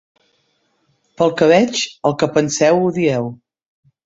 Pel que veig, el que penseu ho dieu.